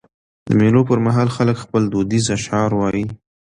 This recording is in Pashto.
د مېلو پر مهال خلک خپل دودیز اشعار وايي.